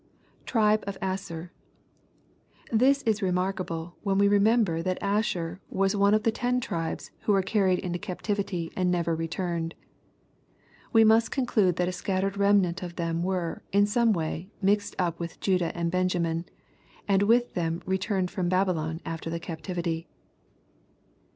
[Tk'ibe of AserJ] This is remarkable, when we remember that Asher was one of the ten tribes, who were carried into captivity, and never returned. We must conclude that a scattered remnant of them were, in some way, mixed up with Judah and Benjamiui and with them returned from Babylon after the captivity.